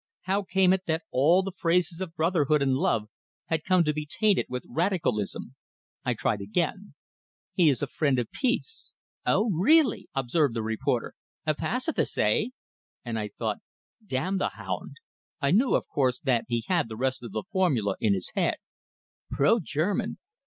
How came it that all the phrases of brotherhood and love had come to be tainted with "radicalism"? I tried again: "He is a friend of peace." "Oh, really!" observed the reporter. "A pacifist, hey?" And I thought: "Damn the hound!" I knew, of course, that he had the rest of the formula in his head: "Pro German!"